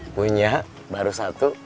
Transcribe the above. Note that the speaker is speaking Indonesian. punya baru satu